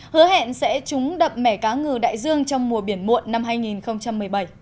hứa hẹn sẽ trúng đậm mẻ cá ngừ đại dương trong mùa biển muộn năm hai nghìn một mươi bảy